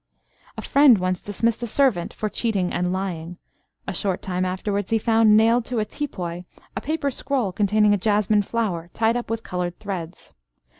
A friend once dismissed a servant for cheating and lying. A short time afterwards, he found nailed to a teapoy a paper scroll containing a jasmine flower tied up with coloured threads.